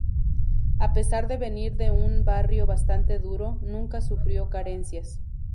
A pesar de venir de un barrio bastante duro, nunca sufrió carencias.